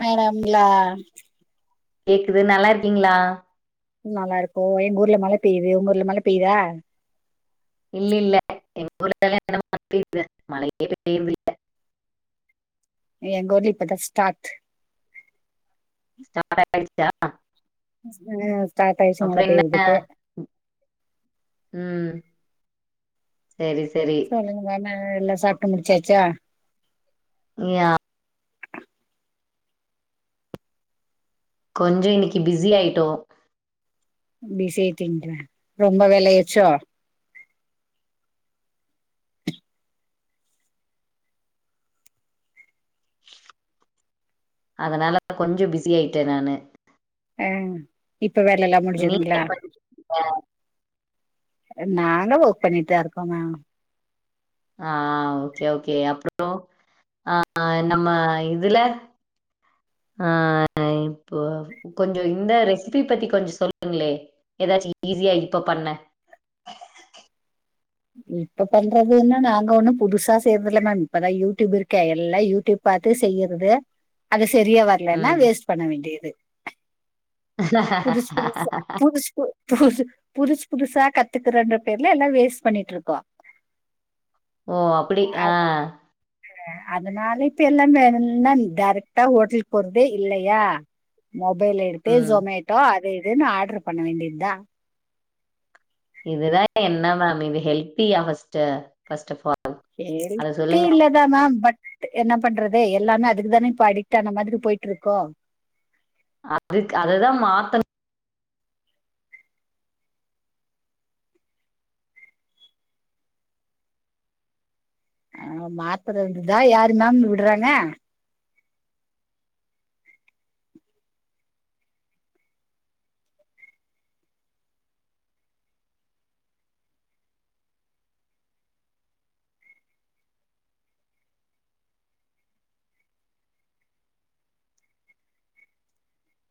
மேடம்ங்ளா கேக்குது நல்லாருக்கீங்ளா நல்லாருக்கோ எங்க ஊர்ல மழ பெய்து உங்க ஊர்ல மழ பெய்தா இல்ல இல்ல எங்க ஊர்லலா [unintelligible] மழைய பெய்ரதில்ல எங்கூர்ல இப்பதா ஸ்டார்ட் ஸ்டார்ட் ஆய்டுச்சா ஸ்டார்ட் ஆயிடுச்சு அப்றோ மழை என்ன பெய்யறதுக்கு ம் சேரி சேரி சொல்லுங்க என்ன எல்லா சாப்ட்டு முடிச்சாச்சா யா கொஞ்சோ இன்னைக்கு பிஸி ஆய்ட்டோ ப்பிசியாட்டிங்ளா ரொம்ப வேலையாச்சோ அதலலா இல்ல கொஞ்சோ பிஸி ஆய்ட்டே நானு அ இப்ப வேலை எல்லா நீங்க முடிஞ்சதுங்ளா என்ன பண்ணிட்டு இருக்கீங்க? நாங்க ஒர்க் பண்ணிட்தா இருக்கோமா ஆ ஓகே ஓகே அப்றோ அ நம்ம இதுல ஆ இப்போ கொஞ்சோ இந்த ரெசிபி பத்தி கொஞ்சோ சொல்லுங்ளே ஏதாச்சு ஈஸியா இப்ப பண்ண இப்ப பண்றதுன்னா நாங்க ஒன்னு புதுசா செய்றதுஇல்ல மேம் இப்பதா யூடியூப் இருக்கே எல்லா யூடியூப் பாத்து செய்யுறது அது சரியா வர்லன்னா ம் வேஸ்ட் பண்ண வேண்டியது புதுஸ் புதுசா புதுஸ் புது புதுசு புதுசா கத்துக்குறன்ற பேர்ல எல்லா வேஸ்ட் பண்ணிட்டுருக்கோ ஓ அப்டி ஆ அதனால இப்ப எல்லா வேணும்னா டெரெக்ட்டா ஹோட்டலுக்கு போறதே இல்லையா மொபைல் எடுத்து ம் சோமெட்டோ அது இதுன்னு ஆர்டர் பண்ண வேண்டியத்தா இதுதா என்ன மேம் இது ஹெல்த்தியா ஃபஸ்ட்டு ஃபஸ்ட்ட ஃபால் ஹெல்த்தி இல்ல இல்லதா மேம் பட் என்ன பண்றது எல்லாமே அதுக்குதானே இப்ப அடிக்ட் ஆன மாதிரி பொய்ட்ருக்கோ அதுக் அததா மாத்தணு அ மாத்துறதுதா யாரு மேம் விட்றாங்க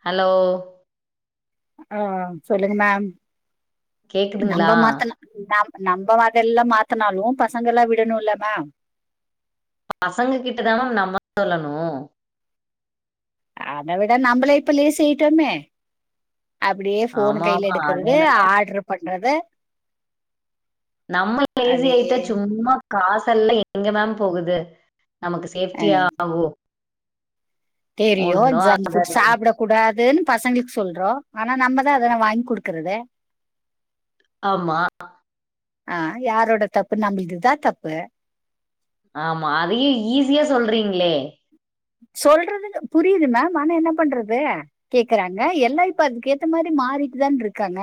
ஹலோ ஆ சொல்லுங்க மேம் கேக்குதுங்களா நம்ப மாத்துனா நம் நம்ம அதெல்லா மாத்தனாலு பசங்கலா விடணுலே மேம் பசங்க கிட்டதா நம்ம சொல்லணு அதவிட நம்பளே இப்ப லேசி யிட்டமே அப்புடே ஃபோனு ஆமா கைல ஆமா அது எடுக்குறது என்னமோ ஆர்டரு பண்றது நம்ம லேசி அதே ஆயிட்டா சும்மா காசெல்லா எங்க மேம் போகுது நமக்கு அ சேஃப்டியா ஆகூ தெரியு ஜங்க்ஃபுட் ஆகாது சாப்ட குடாதுன் பசங்களுக்கு சொல்றோ ஆனா நம்ப தா அதலா வாங்கி குடுக்கறது ஆம்மா அ யாரோட தப்பு நம்புல்துதா தப்பு ஆமா அதையே ஈஸியா சொல்றீங்ளே சொல்றதுனு புரியுது மேம் ஆனா என்ன பண்றது கேக்கறாங்க எல்லால் ப்ப அதுக்கேத்த மாரி மாறிட்டுதான் ருக்காங்க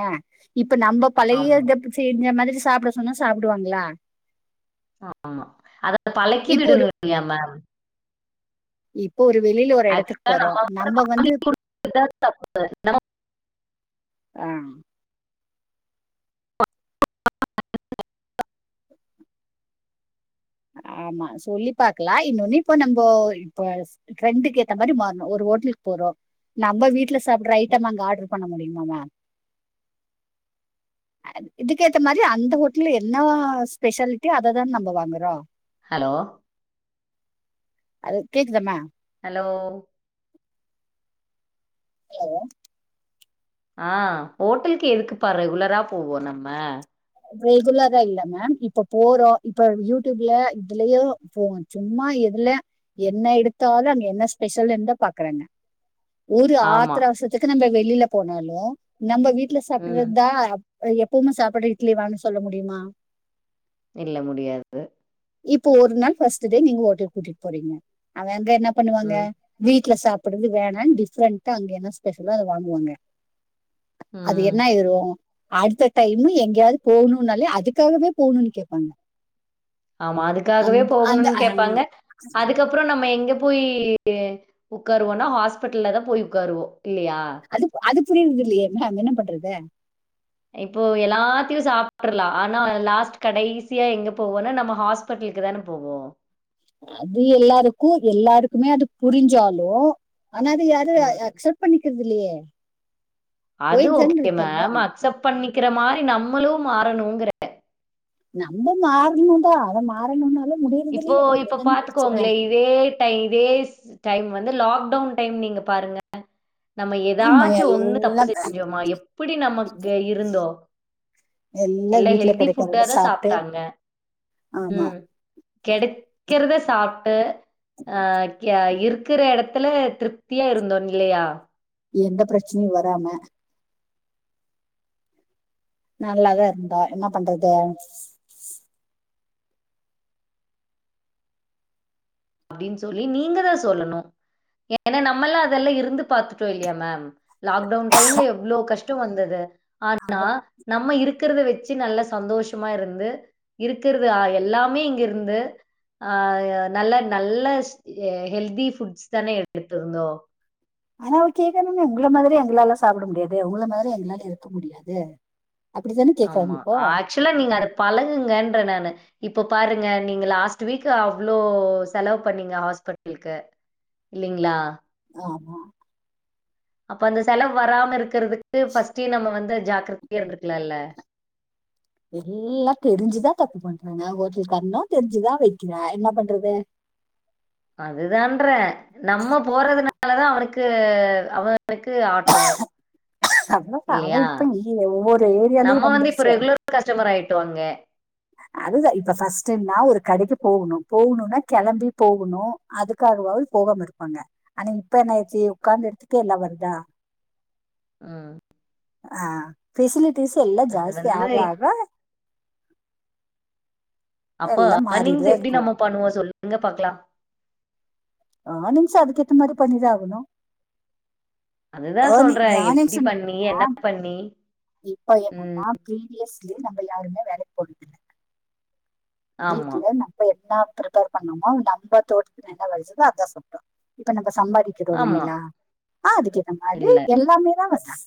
ப்ப நம்ப பழைய ஆமா இதப்ஸசெஞ்ச மாதிரி சாப்ட சொன்னா சாப்டுவாங்களா ஆமா அத இப்போ ஒரு பழக்கிவிடுங்க [inaudible] மேம் இப்போ ஒரு வெளில ஒரு எடத்துக்கு ஆக்சுவலா போறோ நம்ப வந்து நம்ம அ ஆமா சொல்லி பாக்கலா இன்னொன்னு இப்ப நம்போ இப்பஸ் ட்ரெண்டுக்கு ஏத்த மாரி மாறுனு ஒரு ஓட்டலுக்கு போறோ நம்ப வீட்டுல சாப்புடுற ஐட்டம் அங்க ஆட்ரு பண்ண முடியுமா மா அது இதுக்கேத்த மாரி அந்த ஹோட்டல என்ன ஸ்பெஷாலிட்டியோ அததான நம்ப வாங்கறோ ஹலோ அது கேக்குதம்மா ஹலோ ஹலோ அ ஓட்டல்க்கு எதுக்குப்பா ரெகுலரா போவோ நம்ம ரெகுலரா இல்ல மேம் இப்போ போறோ இப்ப யூடியூப்ல இதுலயே போகன் சும்மா எதுல என்ன எடுத்தாலு அங்க என்ன ஸ்பெஷல் எந்த பாக்குறாங்க ஒரு ஆமா. ஆத்ர அவசத்துக்கு நம்ம வெளில போனாலு நம்ப வீட்ல ம். சாப்பிடுறதுதா அ எப்பவுமே சாப்பாடு இட்லி தான்னு சொல்ல முடியுமா இல்ல முடியாது இப்ப ஒரு நாள் ஃபர்ஸ்ட் டே நீங்க ஓட்டலுக் கூட்டிட்டு போறீங்க அவன் அங்க என்ன பண்ணுவாங்க ம். வீட்ல சாப்பிடுறது வேணா டிஃப்ரண்டா அங்க என்ன ஸ்பெஷலோ அத வாங்குவாங்க அது ம். என்னயிரு அடுத்த டைம் எங்கயாது போணுனாலே அதுக்காகவே போணு கேப்பாங்க ஆமா அதுக்காகவே அந்த போகணுன் கேப்பாங்க ஆஹ், அதுக் கப்றோ நம்ம எங்க போய் உக்காருவோனா ஹாஸ்பெட்டல்ல தா போய் உக்காருவோ இல்லயா அதுப் அதுப்புரியர்துல்லியே மேம் என்ன பண்றது ப்போ எல்லாத்தியு சாப்ட்றலா ஆனா லாஸ்ட் கடைசியா எங்க போவொனா நம்ம ஹாஸ் பட்லுக்கு தான போவோ அது எல்லாருக்கு எல்லாருக்குமே அது புருஞ்சாலு ஆனா அது யாரு ம். அக்சப்ட் பண்ணிக்கற்துல்லையே போயிட் தான் இருக்கம்மு சப் பண்ணிக்கிற மாரி நம்மளு மாறணுங்ற நம்ப மாறணு தா அத மாறணுன்னாலே இப்போ முடியறதில்லையே இப்ப அததான பிரச்சன பாத்துக்கோங்களேன், இதே டைம் இதே ஸ் டைம் வந்து லாக்டவுன் டைம் நீங்க பாருங்க நம்ம ஆமா எதாச்சு ஒண்ணு தப்பு எல்லாம் செஞ்சோமா எப்படி நமக்கு இருந்தோ எல்லா வீட்ல ஹெல்தி ஃபுட்டா கெடைக்கறத தா சாப்ட்டு சாப்ட்டாங்க ஆமா ம் கெடைக்கிறத சாப்பிட்டு அ இர்க்குற இடத்துல திருப் த்தியா இருந்தோ நில்லையா எந்த பிரச்சனையு வராம நல்லாதா இருந்தா என்ன பண்றது அப்டின்னு சொல்லி நீங்க தா சொல்லணு ஏனா நம்மல்லா அதெல்லா இருந்து பாத்துட்டோ இல்லையா மேம் லாக்டவுன் டைம்ல எவ்ளோ கஷ்ட வந்தது ஆனா அது நம்ம இருக்குறத வச்சு நல்லா சந்தோஷமா இருந்து இருக்குறது எல்லாமே இங்கிருந்து ஆ நல்ல நல்ல ஹெல்தி ஃபுட்ஸ் தானே எடுத்திருந்தோ ஆனா ஓகேதானுங்க உங்கள மாதிரி எங்களால சாப்பிட முடியாது உங்கள மாறி எங்களால இருக்க முடியாது அப்டித்தானே கேக்குறாங்க ஆமா இப்போ ஆக்சுலா நீங்க அத பழகுங்கன்ற நானு இப்ப பாருங்க நீங்க லாஸ்ட் வீக் அவ்ளோ செலவு பண்ணீங்க ஹாஸ்பிட்டலுக்கு இல்லிங்களா ஆமா அப்ப அந்த செலவு வராம இருக்குறதுக்கு பஸ்டே நம்ப வந்து ஜாக்கிரதையா இருந்துருக்கலாலே எல்லா தெரிஞ்சுதா தப்பு பண்றாங்க ஒருத்தன் தெரிஞ்சுதா வெக்கிறாக என்ன பண்றது அதுதான்றே நம்ம போறதுனாலதா அவனுக்கு அவனுக்கு ஆட்டோ ஆமாப்பா அவ இப்ப இல்லையே ஒவ்வொரு நம்ம ஏரியாலயு வந்து இப்ப வந்துருச்சே ரெகுலர் கஸ்டமர் ஆயிட்டு வாங்க அதுதா இப்ப ஃபஸ்ட் டைம்னா ஒரு கடைக்கு போவுணு போவுணுனா கிளம்பி போவுணு அதுக்காகவாது போவாம இருப்பாங்க ஆனா இப்ப என்ன ஆச்சி உக்காந்த இடத்துக்கே எல்லா வருதா உம் அ ஃபெசிலிட்டீஸ் எல்லா அது ஜாஸ்தி வந்து ஆக ஆக அப்போ எல்லா வன்னிங்க்ஸ மாறிட்டுதா எப்டி இருக்கு நம்ம பண்ணுவோ சொல்லுங்க பாக்கலா ஏர்னிங்ஸ்ஸே அதுக்கேத்த மாறி பண்ணிதா ஆகணு அதுதா ஏர்னிங் சொல்றே எப்டி ஏர்னிங்ஸ்ன்றது பண்ணி என்ன பண்ணி இப்ப ம். என்னன்னா ஃப்ரீவியஸ்லி நம்ம யாருமே வேலைக் ஆமா, வீட்ல நம் என்னா பிரிப்பேர் பண்ணோமோ நம்ம தோட்டத்துல என்ன விளஞ்சதோ அதா சாப்டோ இப்ப நம்ப சம்பாதி கிட்ட ஆமா. வருவீங்களா ஆ அதுக்கேத்த மாறி இல்ல. எல்லாமேதா வந்தாங்க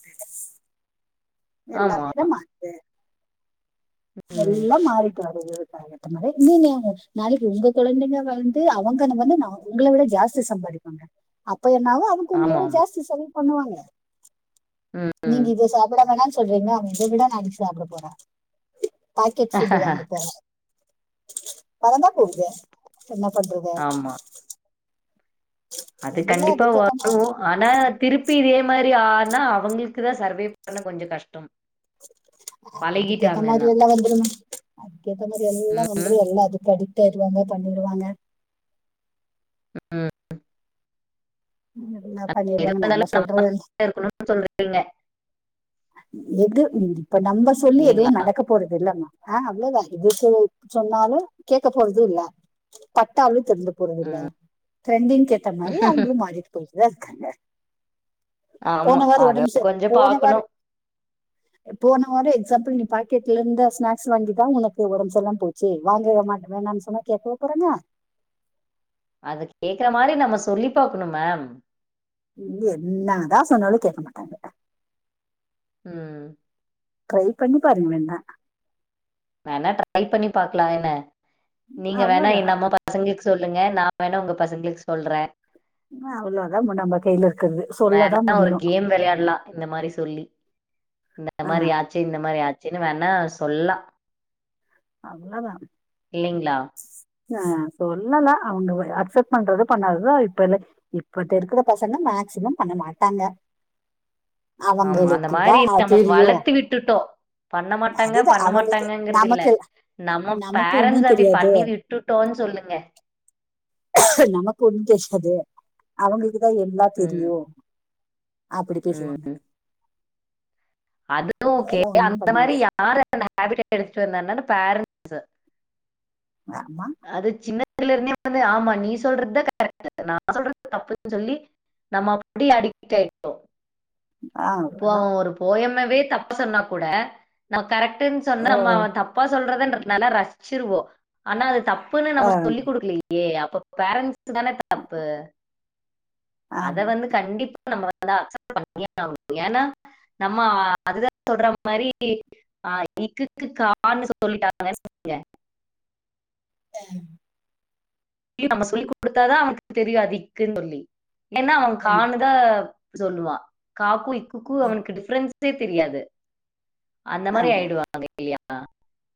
ஆமா எல்லாமேதா மாறுது ம். எல்லா மாறிட்டு வருது அதுக்கு ஏத்த மாறி [unintelligible] நாளைக்கு உங்க கொழந்தைங்க வளந்து அவங்க நம்ம வந்து உங்கள விட ஜாஸ்தி சம்பாதிப்பாங்க அப்ப என்னாவு ஆமா, [unintelligible] ஆமா. ஜாஸ்தி செலவு பண்ணுவாங்க ம், ம். நீங்க இத சாப்பிட வேணான்னு சொல்றீங்க அங்க விட நா இங்க சாப்பிட போறோ பாக்கெட் ஃபுட்டு் வாங்க போறோ பணந்தா போகுது என்ன பண்றது ஆமா. அது எல்லாம் கண்டிப்பா அதுக்கேத்த வரு மாதிரி ஆனா திருப்பி இதே மாறி ஆனா அவங்களுக்கு தா சர்வே பண்ண கொஞ்ச கஷ்டம் அது இதுக்கேத்த பழகிட்டாங்கன்னா. மாறி எல்லா வருதிருங்க அதுக்கேத்த மாறி எல்லா ம். வந்துரு எல்லா அதுக்கு அடிக்ட் ஆயிடுவாங்க பண்ணிருவாங்க ம் எல்லா பண்ணிருவாங்க நம்ம சொல்றது இருக்கனு சொல்லுறீங்க எது இப்ப நம்ப சொல்லி எதுவு இல்லீங்களா? நடக்க போறதில்லம்மா ஆ அவ்ளோதா இதுக்கு சொன்னாலு கேக்க போறதில்ல பட்டாலு திர்ந்து போறதில்ல ம். ட்ரெண்டிங்கேத்த மாரி அவுங்ளு மாறிட்டு போய்ட்டுதா இருக்காங்க ஆமா. போன வாரோ அத ஒடம் சர் கொஞ்சம் போன வாரோ பாக்கணும். எ போன வாரோ எக்ஸாம்பிள் நீ பாக்கெட்லந்த ஸ்நாக்ஸ் வாங்கிதா உனக்கு ஒடம் சர்ல்லாம போ ச்சு வாங்கவே மாட் வேணான் சொன்னா கேக்கவா போறாங்க அது கேக்குற மாரி நம்ம சொல்லி பாக்கனு மேம் என்னா தா சொன்னாலு கேக்க மாட்டாங்க ம் ட்ரை பண்ணி பாருங்க வேணா வேணா ட்ரை பண்ணி பாக்லா என்ன நீங்க வேணா எ அவ்வளவுதான் நம்ம பசங்ளுக்கு சொல்லுங்க நா வேணா உங்க பசங்ளுக்கு சொல்றே அவ்ளதா போ நம்ப கைலருக்கறது சொல்லதா வேணா ஒரு முடியு கேம் விளையாடலாம். இந்த மாரி சொல்லி. இந்த மாரி ஆச்சி இந்த மாரி ஆச்சின்ன வேணா சொல்லா அவ்ள தா இல்லைங்ளா ஆ சொல்லலா அவுங்க அக்செப்ட் பண்றது பண்ணாதது இப்பில்ல இப்பத்தருக்ற பசங்க மேக்சிமம் பண்ண மாட்டாங்க அவுங்களுக்குதா அ தெரியு ட்டுட்டோ பண்ண மாட்டாங்க அதுதா பண்ண அவங்களுக்கு மாட்டாங்கங்கற்து இல்ல நமக்கு நம்ம இல்ல. நமக்கு ஒண்ணு பேரண்ட்ஸ் அப்டி தெரியாது பண்ணி வி ட்டுட்டோன் சொல்லுங்க நமக்கு ஒண்ணு தெரியாது அவுங்களுக்குதா எல்லா ம் தெரியு அப்டி பேசுவாங்க அது‌ ஓகே அதெல்லா ஒண்ணு அந்த பண்ண மாதிரி முடியாது யார் அந்த ஹாபிட் எடுத்துட்டு வந்தானாட பேரண் ஏ மா அது சின்ன பிள்ளைலருந்தே வந்து ஆமா நீ சொல்றது தா கரெக்ட்டு நா சொல்றது தப்புன் சொல்லி நம்ம அப்டி அடிக்ட்டாய் ஆ இப்போ அவ்ளோதா அவ ஒரு போயம்மவே தப்பா சொன்னா கூட நம்ம கரெக்ட்டுன் சொன்னா ஆ நம்ம அவ த ப்பா சொல்றத நல்லா ரசிச்சிருவோ ஆனா அது தப்புன் ஆ நம்ம சொல்லி குடுக்லயே ஏ அப்ப பேரண்ட்ஸ் தானே தப்பு அத ஆமா வந்து கண்டிப்பா நம்ம வந்து அக்சப்ட் பண்ணியே ஆவுனு ஏனா நம்ம அதுதா சொல்ற மாரி ஆ க்குக்கு கான்னு சொல்லிட்டாங்கன் வைங்க ஆ நம்ம சொல்லி குடுத்தாதா அவனுக்கு தெரியு அது க்குன் சொல்லி இல்லனா அவே கான்னு தா சொல்லுவா காக்கு க்குக்கு அவனுக்கு டிஃப்ரென்ஸே தெரியாது அந்த ஆ ஆ மாரி ஆய்டுவாங்க இல்லயா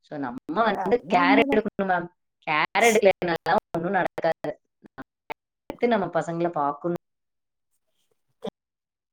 ஸோ நம்ம வந்து அதெல்லா கேர் உண்மதா எடுக்கனு மேம் கேர் எடுக்லனாதா ஒன்னு நடக்காது த்து நம்ம பசங்கள பாக்னு